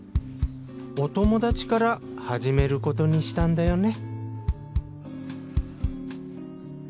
お友達から始めることにしたんだよね